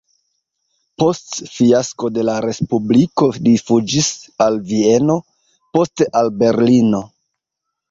Post fiasko de la respubliko li fuĝis al Vieno, poste al Berlino.